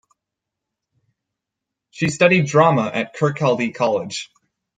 She studied drama at Kirkcaldy College.